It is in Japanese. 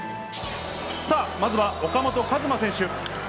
さあ、まずは岡本和真選手。